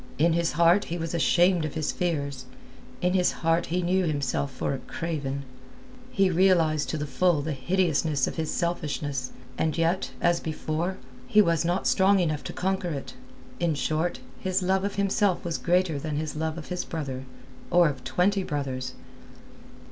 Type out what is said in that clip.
In his heart he was ashamed of his fears; in his heart he knew himself for a craven. He realized to the full the hideousness of his selfishness, and yet, as before, he was not strong enough to conquer it. In short, his love of himself was greater than his love of his brother, or of twenty brothers.